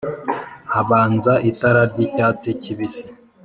habanza itara ry’icyatsi kibisi